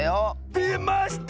でました！